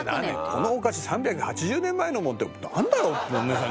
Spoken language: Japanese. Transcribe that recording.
このお菓子３８０年前のものってなんだよって思うよね。